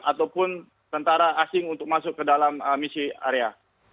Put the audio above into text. ataupun tentara asing untuk masuk ke dalam misi area